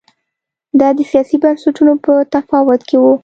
دا د سیاسي بنسټونو په تفاوت کې و